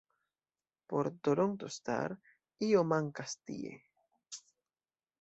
Por "Toronto Star", ""Io mankas tie.